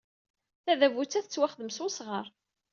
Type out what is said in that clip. Tadabut-a tettwaxdem s wesɣar.